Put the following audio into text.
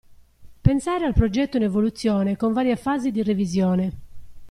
Pensare al progetto in evoluzione con varie fasi di revisione.